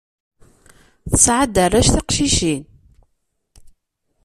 Tesɛa-d arrac tiqcicin.